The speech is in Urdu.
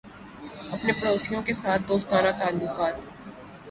اپنے پڑوسیوں کے ساتھ دوستانہ تعلقات